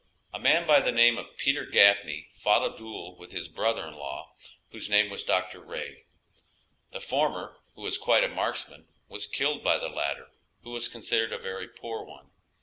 A man by the name of Peter Gafney fought a duel with his brother in law, whose name was Dr. Kay; the former, who was quite a marksman, was killed by the latter, who was considered a very poor one.